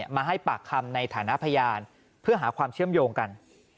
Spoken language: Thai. มาให้ปากคำในฐานะพยานเพื่อหาความเชื่อมโยงกัน